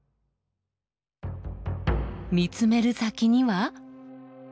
見つめる先には。